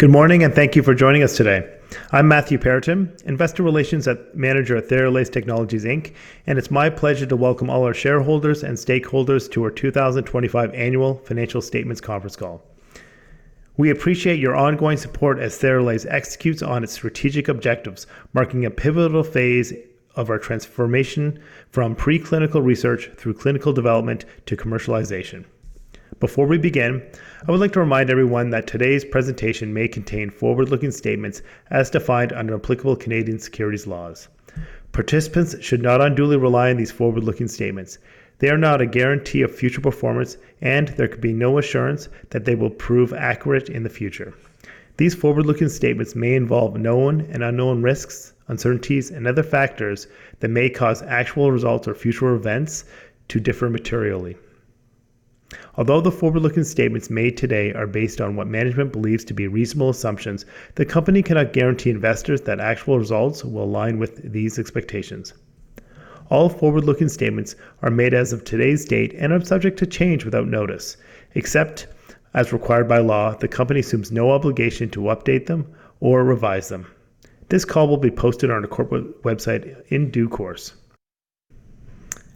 Good morning, and thank you for joining us today. I'm Matthew Perraton, Investor Relations Manager at Theralase Technologies Inc. It's my pleasure to welcome all our shareholders and stakeholders to our 2025 annual financial statements conference call. We appreciate your ongoing support as Theralase executes on its strategic objectives, marking a pivotal phase of our transformation from preclinical research through clinical development to commercialization. Before we begin, I would like to remind everyone that today's presentation may contain forward-looking statements as defined under applicable Canadian securities laws. Participants should not unduly rely on these forward-looking statements. They are not a guarantee of future performance, and there could be no assurance that they will prove accurate in the future. These forward-looking statements may involve known and unknown risks, uncertainties, and other factors that may cause actual results or future events to differ materially. Although the forward-looking statements made today are based on what management believes to be reasonable assumptions, the company cannot guarantee investors that actual results will align with these expectations. All forward-looking statements are made as of today's date and are subject to change without notice. Except as required by law, the company assumes no obligation to update them or revise them. This call will be posted on our corporate website in due course.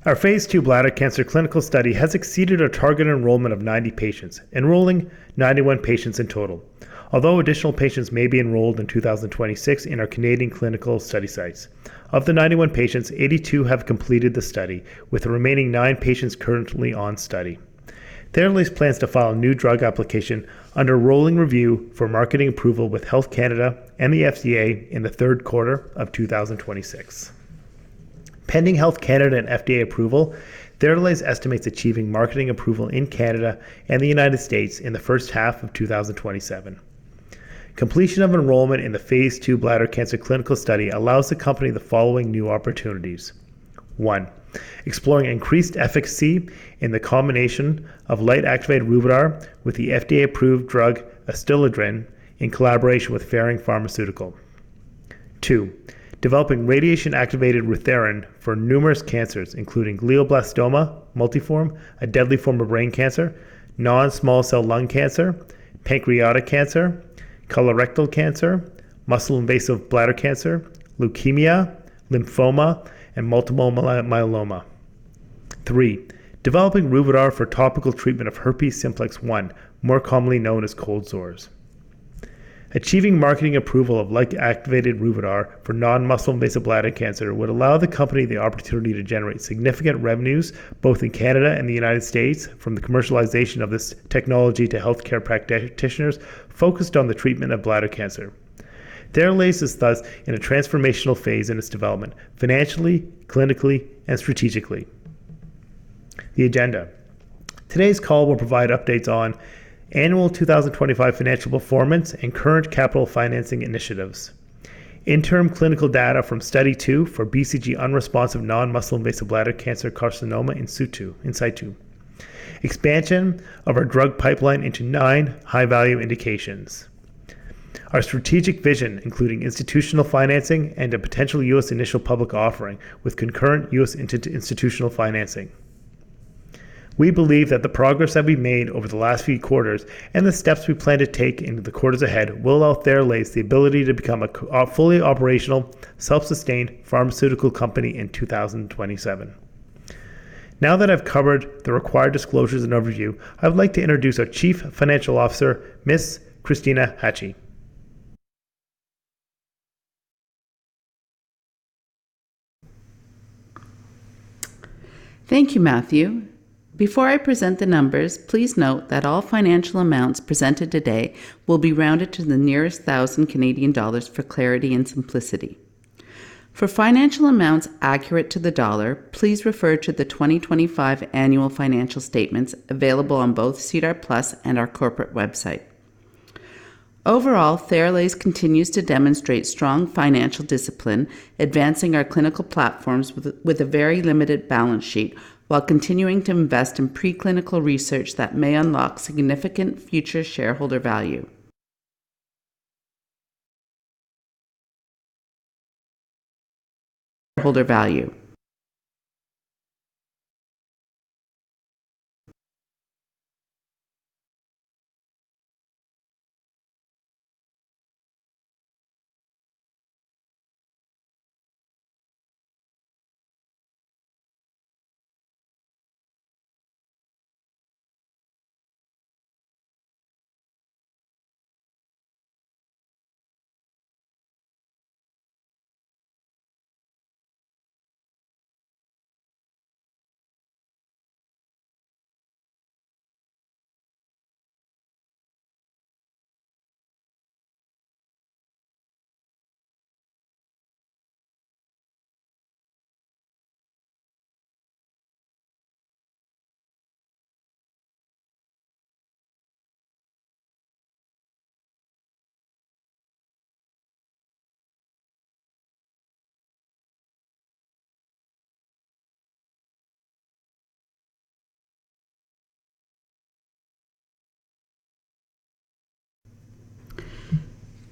Our phase II bladder cancer clinical study has exceeded our target enrollment of 90 patients, enrolling 91 patients in total. Although additional patients may be enrolled in 2026 in our Canadian clinical study sites. Of the 91 patients, 82 have completed the study, with the remaining nine patients currently on study. Theralase plans to file a New Drug Application under rolling review for marketing approval with Health Canada and the FDA in the third quarter of 2026. Pending Health Canada and FDA approval, Theralase estimates achieving marketing approval in Canada and the United States in the first half of 2027. Completion of enrollment in the phase II bladder cancer clinical study allows the company the following new opportunities. One, exploring increased efficacy in the combination of light-activated Ruvidar with the FDA-approved drug ADSTILADRIN in collaboration with Ferring Pharmaceuticals. Two, developing radiation-activated Rutherrin for numerous cancers, including glioblastoma multiforme, a deadly form of brain cancer, non-small cell lung cancer, pancreatic cancer, colorectal cancer, muscle-invasive bladder cancer, leukemia, lymphoma, and multiple myeloma. Three, developing Ruvidar for topical treatment of herpes simplex virus-1, more commonly known as cold sores. Achieving marketing approval of light-activated Ruvidar for non-muscle-invasive bladder cancer would allow the company the opportunity to generate significant revenues both in Canada and the United States from the commercialization of this technology to healthcare practitioners focused on the treatment of bladder cancer. Theralase is thus in a transformational phase in its development financially, clinically, and strategically. The agenda. Today's call will provide updates on annual 2025 financial performance and current capital financing initiatives. Interim clinical data from Study II for BCG unresponsive non-muscle-invasive bladder cancer carcinoma in situ. Expansion of our drug pipeline into nine high-value indications. Our strategic vision, including institutional financing and a potential U.S. initial public offering with concurrent U.S. institutional financing. We believe that the progress that we've made over the last few quarters and the steps we plan to take into the quarters ahead will allow Theralase the ability to become a fully operational, self-sustained pharmaceutical company in 2027. Now that I've covered the required disclosures and overview, I would like to introduce our Chief Financial Officer, Ms. Kristina Hachey. Thank you, Matthew. Before I present the numbers, please note that all financial amounts presented today will be rounded to the nearest thousand Canadian dollars for clarity and simplicity. For financial amounts accurate to the dollar, please refer to the 2025 annual financial statements available on both SEDAR+ and our corporate website. Overall, Theralase continues to demonstrate strong financial discipline, advancing our clinical platforms with a very limited balance sheet while continuing to invest in preclinical research that may unlock significant future shareholder value.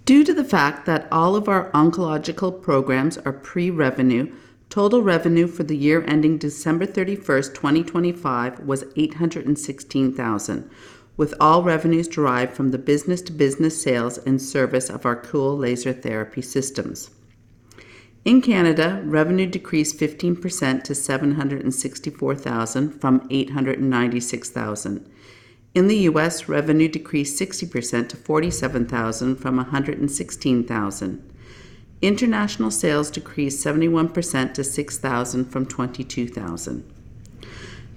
Shareholder value. Due to the fact that all of our oncological programs are pre-revenue, total revenue for the year ending December 31st, 2025 was 816,000, with all revenues derived from the business-to-business sales and service of our Cool Laser Therapy systems. In Canada, revenue decreased 15% to 764,000 from 896,000. In the U.S., revenue decreased 60% to 47,000 from 116,000. International sales decreased 71% to 6,000 from 22,000.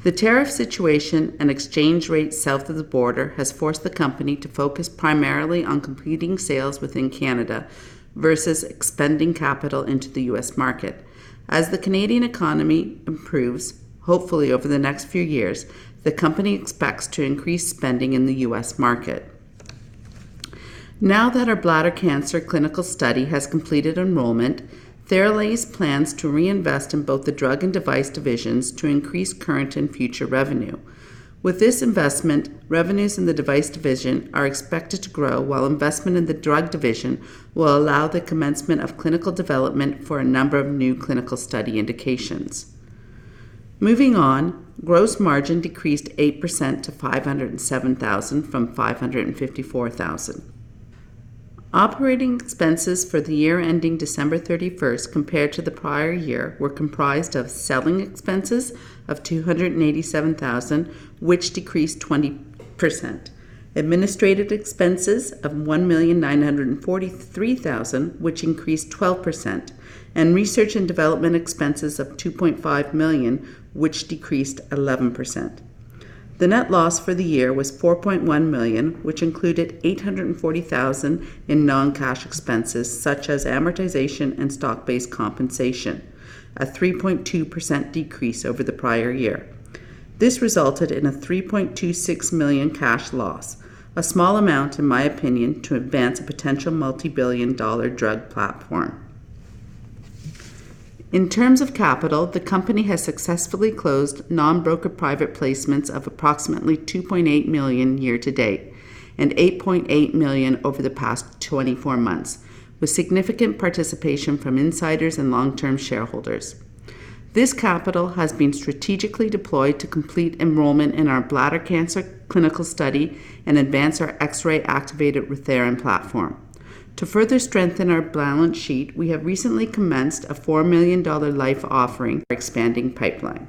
The tariff situation and exchange rate south of the border has forced the company to focus primarily on completing sales within Canada versus expending capital into the U.S. market. As the Canadian economy improves, hopefully over the next few years, the company expects to increase spending in the U.S. market. Now that our bladder cancer clinical study has completed enrollment, Theralase plans to reinvest in both the drug and device divisions to increase current and future revenue. With this investment, revenues in the device division are expected to grow, while investment in the drug division will allow the commencement of clinical development for a number of new clinical study indications. Moving on, gross margin decreased 8% to 507,000 from 554,000. Operating expenses for the year ending December 31 compared to the prior year were comprised of selling expenses of 287,000, which decreased 20%, administrative expenses of 1,943,000, which increased 12%, and research and development expenses of 2.5 million, which decreased 11%. The net loss for the year was 4.1 million, which included 840,000 in non-cash expenses such as amortization and stock-based compensation, a 3.2% decrease over the prior year. This resulted in a 3.26 million cash loss, a small amount in my opinion, to advance a potential multi-billion dollar drug platform. In terms of capital, the company has successfully closed non-broker private placements of approximately 2.8 million year to date and 8.8 million over the past 24 months, with significant participation from insiders and long-term shareholders. This capital has been strategically deployed to complete enrollment in our bladder cancer Study II and advance our X-ray-activated Rutherrin platform. To further strengthen our balance sheet, we have recently commenced a 4 million dollar life offering expanding pipeline.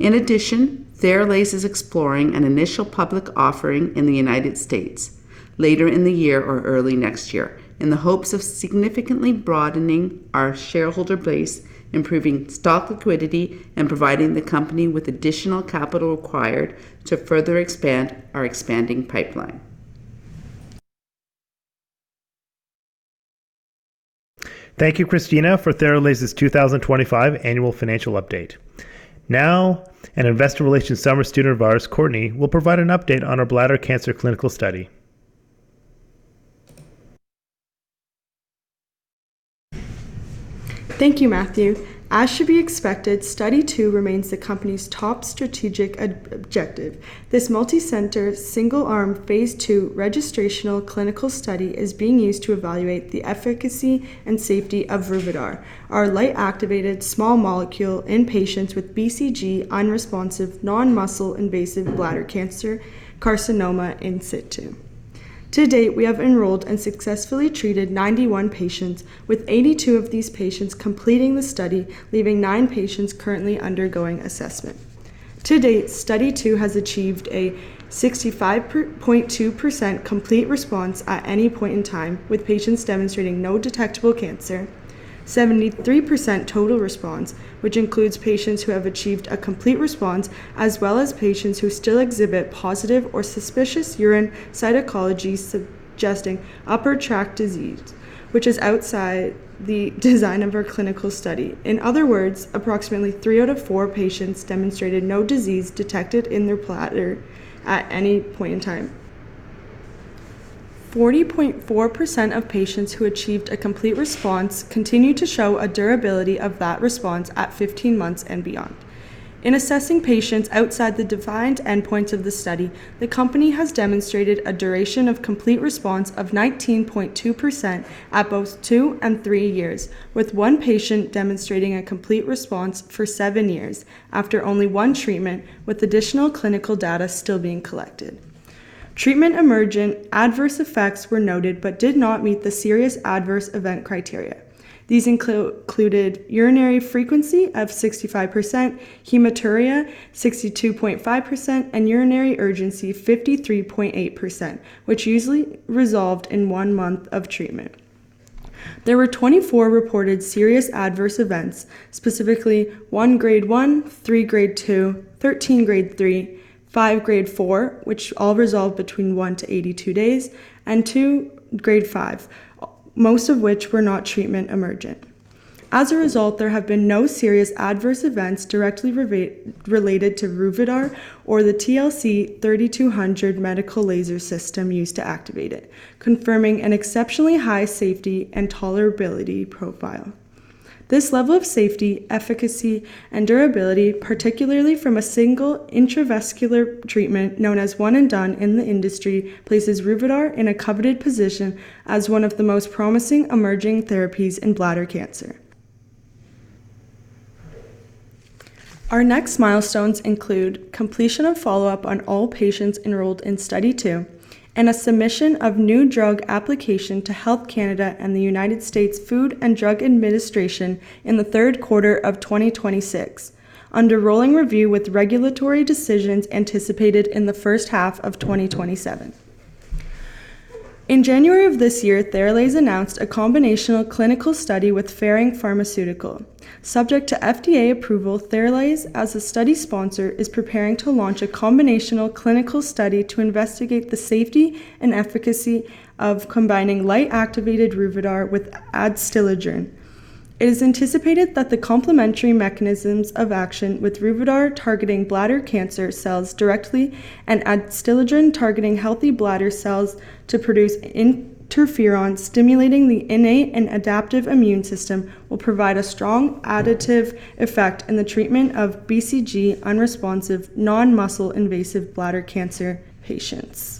In addition, Theralase is exploring an initial public offering in the U.S. later in the year or early next year in the hopes of significantly broadening our shareholder base, improving stock liquidity, and providing the company with additional capital required to further expand our expanding pipeline. Thank you, Kristina, for Theralase's 2025 annual financial update. An Investor Relations summer student of ours, Courtney, will provide an update on our bladder cancer clinical study. Thank you, Matthew. As should be expected, Study II remains the company's top strategic objective. This multi-center, single-arm, phase II registrational clinical study is being used to evaluate the efficacy and safety of Ruvidar, our light-activated small molecule in patients with BCG-unresponsive, non-muscle-invasive bladder cancer carcinoma in situ. To date, we have enrolled and successfully treated 91 patients, with 82 of these patients completing the study, leaving nine patients currently undergoing assessment. To date, Study II has achieved a 65.2% complete response at any point in time, with patients demonstrating no detectable cancer, 73% total response, which includes patients who have achieved a complete response, as well as patients who still exhibit positive or suspicious urine cytology suggesting upper tract disease, which is outside the design of our clinical study. In other words, approximately three out of four patients demonstrated no disease detected in their bladder at any point in time. 40.4% of patients who achieved a complete response continued to show a durability of that response at 15 months and beyond. In assessing patients outside the defined endpoints of Study II, the company has demonstrated a duration of complete response of 19.2% at both two and three years, with one patient demonstrating a complete response for seven years after only one treatment, with additional clinical data still being collected. Treatment-emergent adverse effects were noted but did not meet the serious adverse event criteria. These included urinary frequency of 65%, hematuria 62.5%, and urinary urgency 53.8%, which usually resolved in one month of treatment. There were 24 reported serious adverse events, specifically one grade 1, three grade 2, 13 grade 3, five grade 4, which all resolved between 1 and 82 days, and two grade 5, most of which were not treatment emergent. As a result, there have been no serious adverse events directly related to Ruvidar or the TLC-3200 medical laser system used to activate it, confirming an exceptionally high safety and tolerability profile. This level of safety, efficacy, and durability, particularly from a single intravesical treatment known as one and done in the industry, places Ruvidar in a coveted position as one of the most promising emerging therapies in bladder cancer. Our next milestones include completion of follow-up on all patients enrolled in Study II and a submission of New Drug Application to Health Canada and the United States Food and Drug Administration in the third quarter of 2026 under rolling review with regulatory decisions anticipated in the first half of 2027. In January of this year, Theralase announced a combinational clinical study with Ferring Pharmaceuticals. Subject to FDA approval, Theralase as a study sponsor is preparing to launch a combinational clinical study to investigate the safety and efficacy of combining light-activated Ruvidar with ADSTILADRIN. It is anticipated that the complementary mechanisms of action with Ruvidar targeting bladder cancer cells directly and ADSTILADRIN targeting healthy bladder cells to produce interferon stimulating the innate and adaptive immune system will provide a strong additive effect in the treatment of BCG unresponsive non-muscle-invasive bladder cancer patients.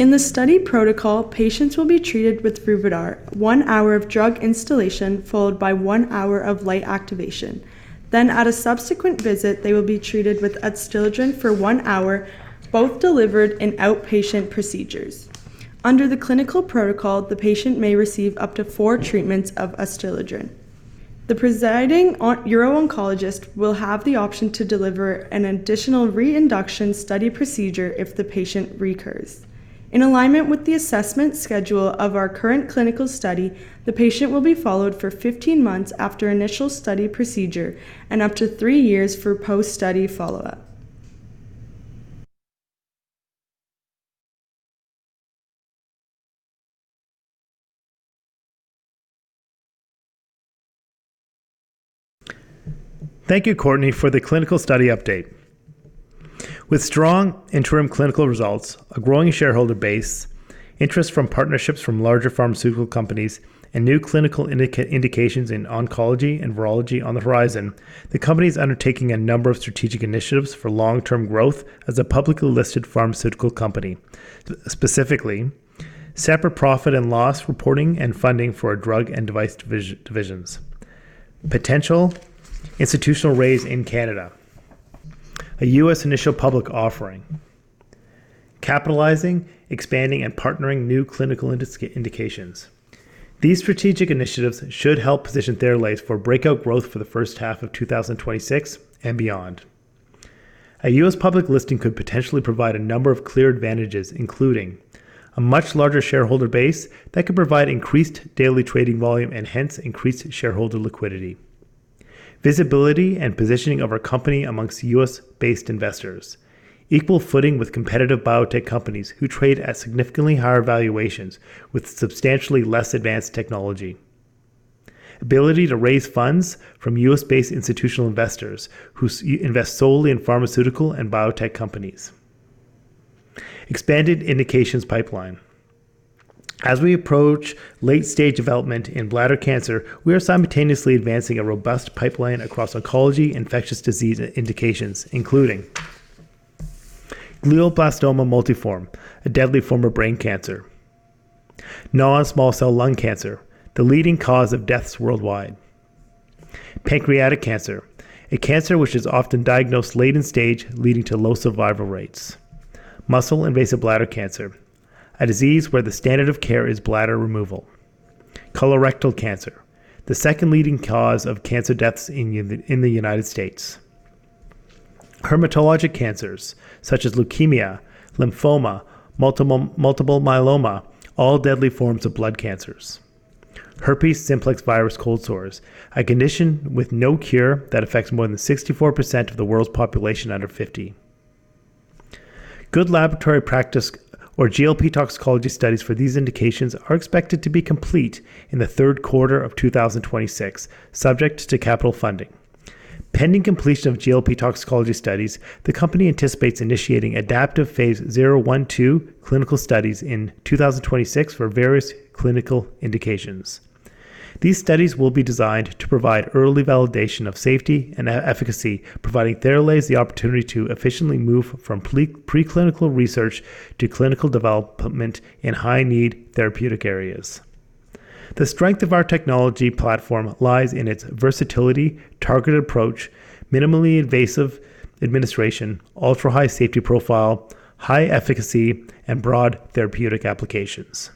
In the study protocol, patients will be treated with Ruvidar, one hour of drug instillation followed by one hour of light activation. At a subsequent visit, they will be treated with ADSTILADRIN for one hour, both delivered in outpatient procedures. Under the clinical protocol, the patient may receive up to four treatments of ADSTILADRIN. The presiding uro-oncologist will have the option to deliver an additional reinduction study procedure if the patient recurs. In alignment with the assessment schedule of our current clinical study, the patient will be followed for 15 months after initial study procedure and up to three years for post-study follow-up. Thank you, Courtney, for the clinical study update. With strong interim clinical results, a growing shareholder base, interest from partnerships from larger pharmaceutical companies, and new clinical indications in oncology and virology on the horizon, the company is undertaking a number of strategic initiatives for long-term growth as a publicly listed pharmaceutical company. Specifically, separate profit and loss reporting and funding for drug and device divisions, potential institutional raise in Canada, a U.S. initial public offering, capitalizing, expanding, and partnering new clinical indications. These strategic initiatives should help position Theralase for breakout growth for H1 of 2026 and beyond. A U.S. public listing could potentially provide a number of clear advantages, including a much larger shareholder base that could provide increased daily trading volume and hence increased shareholder liquidity, visibility and positioning of our company amongst U.S.-based investors, equal footing with competitive biotech companies who trade at significantly higher valuations with substantially less advanced technology. Ability to raise funds from U.S.-based institutional investors who invest solely in pharmaceutical and biotech companies. Expanded indications pipeline. As we approach late-stage development in bladder cancer, we are simultaneously advancing a robust pipeline across oncology, infectious disease, and indications, including glioblastoma multiforme, a deadly form of brain cancer, non-small cell lung cancer, the leading cause of deaths worldwide, pancreatic cancer, a cancer which is often diagnosed late in stage, leading to low survival rates, muscle-invasive bladder cancer, a disease where the standard of care is bladder removal, colorectal cancer, the second leading cause of cancer deaths in the U.S., hematologic cancers, such as leukemia, lymphoma, multiple myeloma, all deadly forms of blood cancers, herpes simplex virus cold sores, a condition with no cure that affects more than 64% of the world's population under 50. Good laboratory practice or GLP toxicology studies for these indications are expected to be complete in the third quarter of 2026, subject to capital funding. Pending completion of GLP toxicology studies, the company anticipates initiating adaptive phase 0/I/II clinical studies in 2026 for various clinical indications. These studies will be designed to provide early validation of safety and efficacy, providing Theralase the opportunity to efficiently move from preclinical research to clinical development in high-need therapeutic areas. The strength of our technology platform lies in its versatility, targeted approach, minimally invasive administration, ultra-high safety profile, high efficacy, and broad therapeutic applications.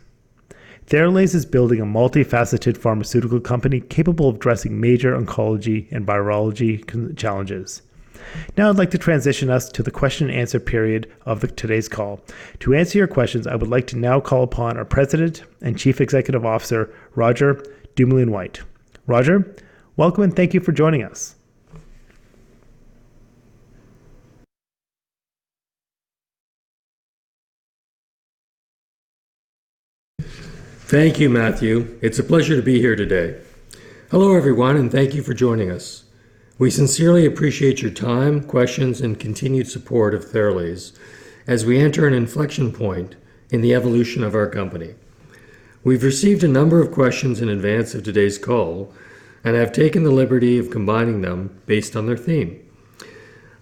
Theralase is building a multifaceted pharmaceutical company capable of addressing major oncology and virology challenges. Now I'd like to transition us to the question and answer period of the today's call. To answer your questions, I would like to now call upon our President and Chief Executive Officer, Roger Dumoulin-White. Roger, welcome, and thank you for joining us. Thank you, Matthew. It's a pleasure to be here today. Hello, everyone, and thank you for joining us. We sincerely appreciate your time, questions, and continued support of Theralase as we enter an inflection point in the evolution of our company. We've received a number of questions in advance of today's call, and I've taken the liberty of combining them based on their theme.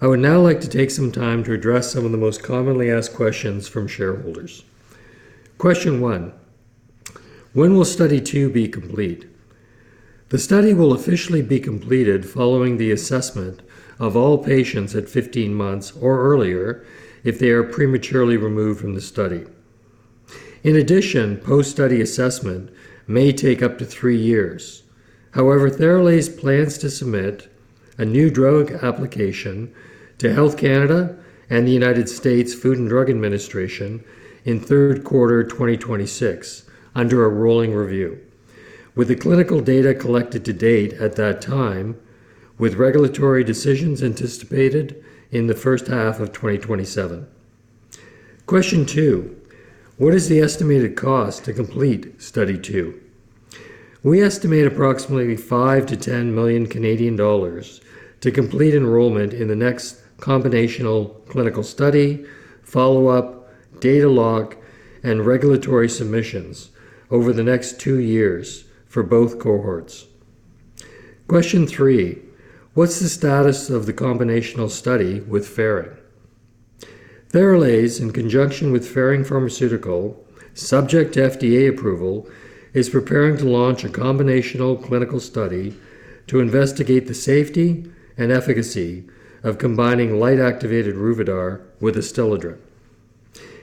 I would now like to take some time to address some of the most commonly asked questions from shareholders. Question one, when will Study II be complete? The study will officially be completed following the assessment of all patients at 15 months or earlier if they are prematurely removed from the study. In addition, post-study assessment may take up to three years. Theralase plans to submit a New Drug Application to Health Canada and the U.S. Food and Drug Administration in third quarter 2026 under a rolling review with the clinical data collected to date at that time with regulatory decisions anticipated in the first half of 2027. Question two, what is the estimated cost to complete Study II? We estimate approximately 5 million-10 million Canadian dollars to complete enrollment in the next combinational clinical study, follow-up, data log, and regulatory submissions over the next two years for both cohorts. Question three, what's the status of the combinational study with Ferring? Theralase, in conjunction with Ferring Pharmaceuticals, subject to FDA approval, is preparing to launch a combinational clinical study to investigate the safety and efficacy of combining light-activated Ruvidar with ADSTILADRIN.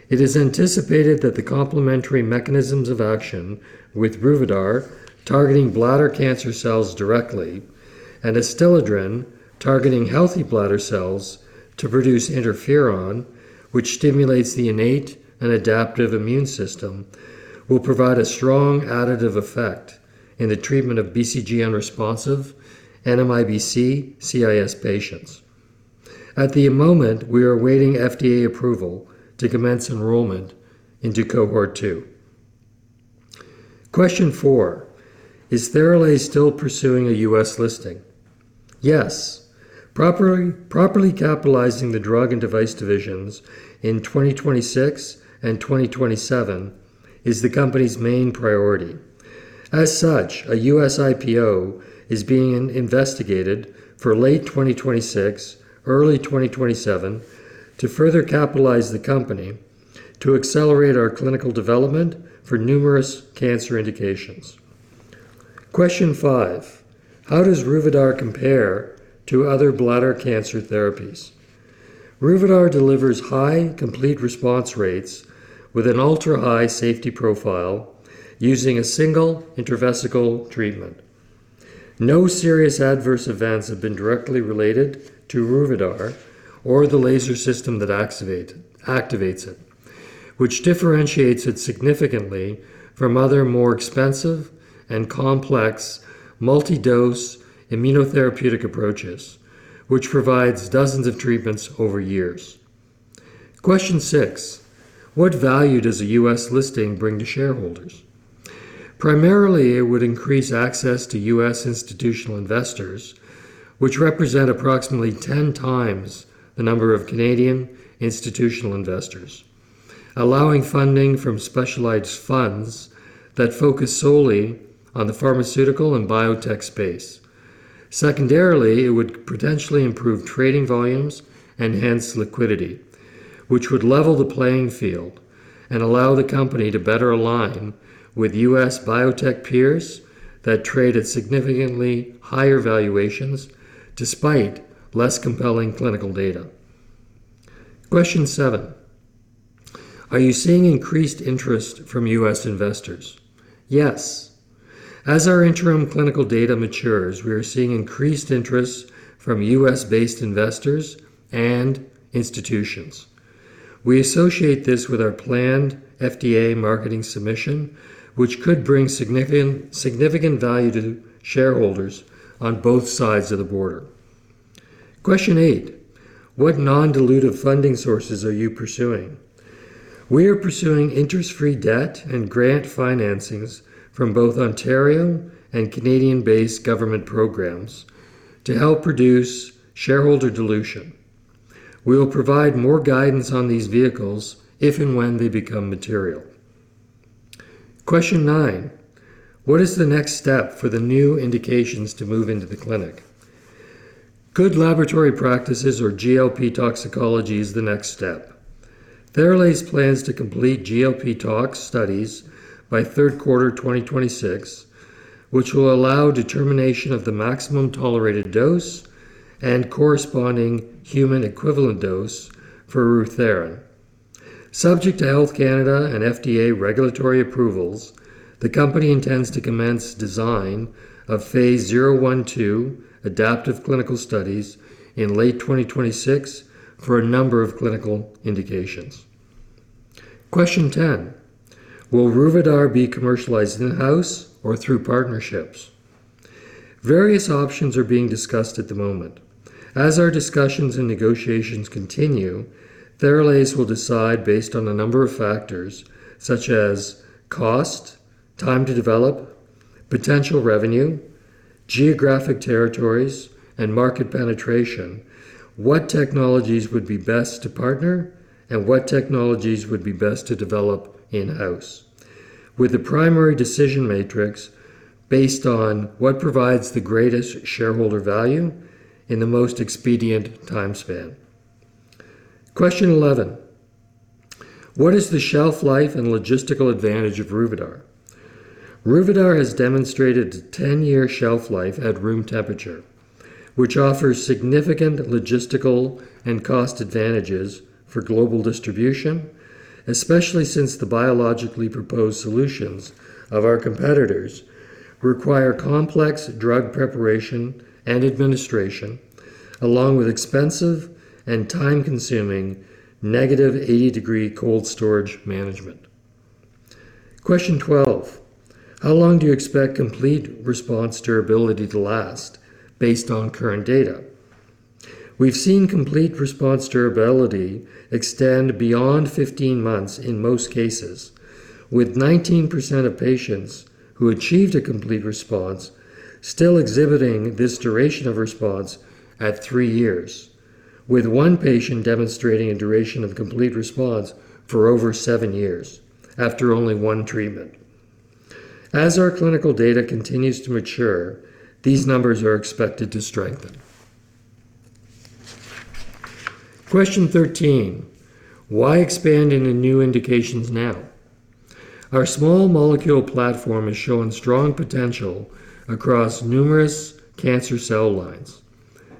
It is anticipated that the complementary mechanisms of action with Ruvidar targeting bladder cancer cells directly and ADSTILADRIN targeting healthy bladder cells to produce interferon, which stimulates the innate and adaptive immune system, will provide a strong additive effect in the treatment of BCG unresponsive NMIBC CIS patients. At the moment, we are awaiting FDA approval to commence enrollment into cohort 2. Question four, is Theralase still pursuing a U.S. listing? Yes. Properly capitalizing the drug and device divisions in 2026 and 2027 is the company's main priority. As such, a U.S. IPO is being investigated for late 2026, early 2027 to further capitalize the company to accelerate our clinical development for numerous cancer indications. Question five, how does Ruvidar compare to other bladder cancer therapies? Ruvidar delivers high complete response rates with an ultra-high safety profile using a single intravesical treatment. No serious adverse events have been directly related to Ruvidar or the laser system that activates it, which differentiates it significantly from other more expensive and complex multi-dose immunotherapeutic approaches, which provides dozens of treatments over years. Question six. What value does a U.S. listing bring to shareholders? Primarily, it would increase access to U.S. institutional investors, which represent approximately 10x the number of Canadian institutional investors, allowing funding from specialized funds that focus solely on the pharmaceutical and biotech space. Secondarily, it would potentially improve trading volumes and hence liquidity, which would level the playing field and allow the company to better align with U.S. biotech peers that trade at significantly higher valuations despite less compelling clinical data. Question seven. Are you seeing increased interest from U.S. investors? Yes. As our interim clinical data matures, we are seeing increased interest from U.S.-based investors and institutions. We associate this with our planned FDA marketing submission, which could bring significant value to shareholders on both sides of the border. Question eight. What non-dilutive funding sources are you pursuing? We are pursuing interest-free debt and grant financings from both Ontario and Canadian-based government programs to help reduce shareholder dilution. We will provide more guidance on these vehicles if and when they become material. Question nine. What is the next step for the new indications to move into the clinic? Good laboratory practices or GLP toxicology is the next step. Theralase plans to complete GLP tox studies by third quarter 2026, which will allow determination of the maximum tolerated dose and corresponding human equivalent dose for Rutherrin. Subject to Health Canada and FDA regulatory approvals, the company intends to commence design of phase 0-I-II adaptive clinical studies in late 2026 for a number of clinical indications. Question 10. Will Ruvidar be commercialized in-house or through partnerships? Various options are being discussed at the moment. As our discussions and negotiations continue, Theralase will decide based on a number of factors such as cost, time to develop, potential revenue, geographic territories, and market penetration, what technologies would be best to partner and what technologies would be best to develop in-house with the primary decision matrix based on what provides the greatest shareholder value in the most expedient time span. Question 11. What is the shelf life and logistical advantage of Ruvidar? Ruvidar has demonstrated 10-year shelf life at room temperature, which offers significant logistical and cost advantages for global distribution, especially since the biologically proposed solutions of our competitors require complex drug preparation and administration along with expensive and time-consuming negative 80-degree cold storage management. Question 12. How long do you expect complete response durability to last based on current data? We've seen complete response durability extend beyond 15 months in most cases, with 19% of patients who achieved a complete response still exhibiting this duration of response at three years, with one patient demonstrating a duration of complete response for over seven years after only one treatment. As our clinical data continues to mature, these numbers are expected to strengthen. Question 13. Why expand into new indications now? Our small molecule platform is showing strong potential across numerous cancer cell lines.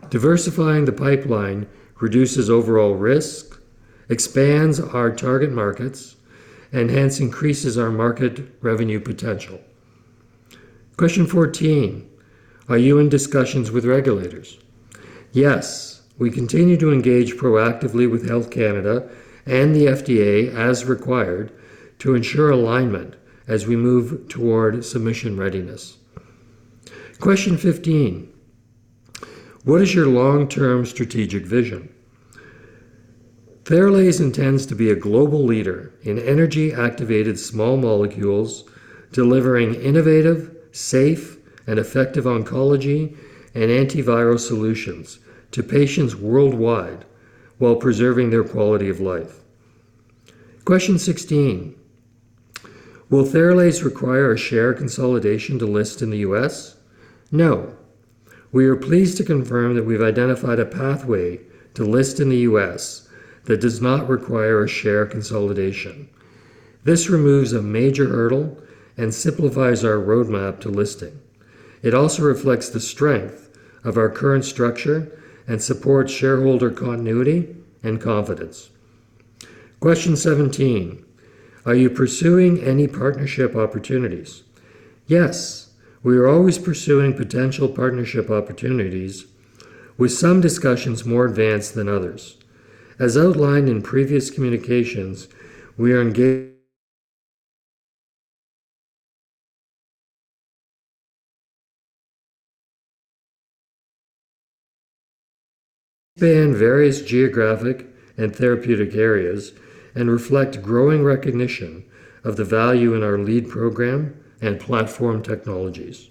Diversifying the pipeline reduces overall risk, expands our target markets, and hence increases our market revenue potential. Question 14. Are you in discussions with regulators? Yes. We continue to engage proactively with Health Canada and the FDA as required to ensure alignment as we move toward submission readiness. Question 15. What is your long-term strategic vision? Theralase intends to be a global leader in energy-activated small molecules, delivering innovative, safe, and effective oncology and antiviral solutions to patients worldwide while preserving their quality of life. Question 16. Will Theralase require a share consolidation to list in the U.S.? No. We are pleased to confirm that we've identified a pathway to list in the U.S. that does not require a share consolidation. This removes a major hurdle and simplifies our roadmap to listing. It also reflects the strength of our current structure and supports shareholder continuity and confidence. Question 17. Are you pursuing any partnership opportunities? Yes. We are always pursuing potential partnership opportunities with some discussions more advanced than others. As outlined in previous communications, we are engaged in various geographic and therapeutic areas and reflect growing recognition of the value in our lead program and platform technologies.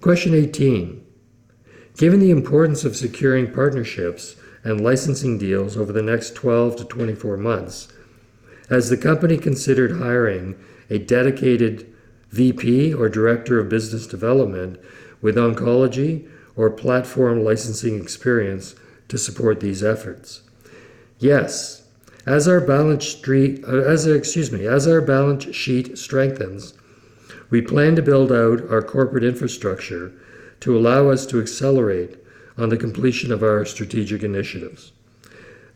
Question 18. Given the importance of securing partnerships and licensing deals over the next 12 to 24 months, has the company considered hiring a dedicated VP or director of business development with oncology or platform licensing experience to support these efforts? Yes. As our balance sheet strengthens, we plan to build out our corporate infrastructure to allow us to accelerate on the completion of our strategic initiatives.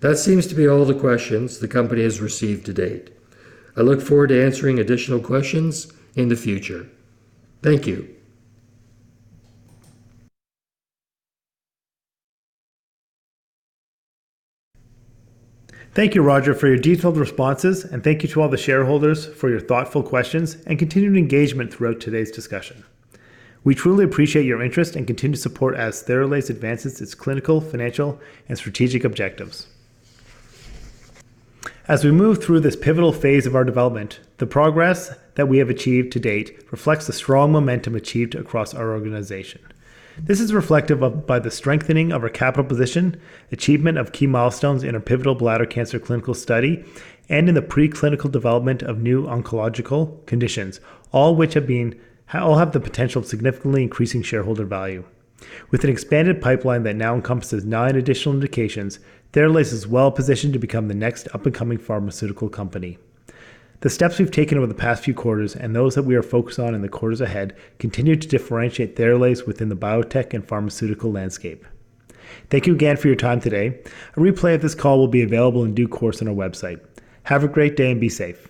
That seems to be all the questions the company has received to date. I look forward to answering additional questions in the future. Thank you. Thank you, Roger, for your detailed responses. Thank you to all the shareholders for your thoughtful questions and continued engagement throughout today's discussion. We truly appreciate your interest and continued support as Theralase advances its clinical, financial, and strategic objectives. As we move through this pivotal phase of our development, the progress that we have achieved to date reflects the strong momentum achieved across our organization. This is reflective of by the strengthening of our capital position, achievement of key milestones in our pivotal bladder cancer clinical study, and in the preclinical development of new oncological conditions, all have the potential of significantly increasing shareholder value. With an expanded pipeline that now encompasses nine additional indications, Theralase is well-positioned to become the next up-and-coming pharmaceutical company. The steps we've taken over the past few quarters and those that we are focused on in the quarters ahead continue to differentiate Theralase within the biotech and pharmaceutical landscape. Thank you again for your time today. A replay of this call will be available in due course on our website. Have a great day and be safe.